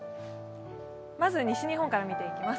まず西日本から見ていきます。